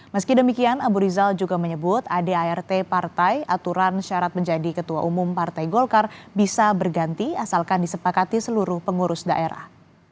meski demikian abu rizal juga menyebut adart partai aturan syarat menjadi ketua umum partai golkar bisa berganti asalkan disepakati seluruh pengurus daerah